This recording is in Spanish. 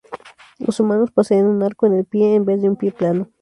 Los humanos poseen un arco en el pie, en vez de un pie plano.